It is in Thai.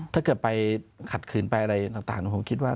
ถ้าเกิดไปขัดขืนไปอะไรต่างผมคิดว่า